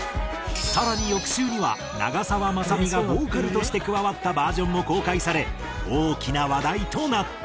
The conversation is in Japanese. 更に翌週には長澤まさみがボーカルとして加わったバージョンも公開され大きな話題となった。